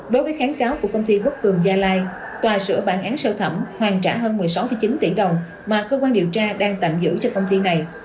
đối với kháng cáo của công ty quốc cường gia lai tòa sửa bản án sơ thẩm hoàn trả hơn một mươi sáu chín tỷ đồng mà cơ quan điều tra đang tạm giữ cho công ty này